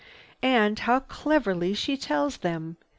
"And how cleverly she tells them!"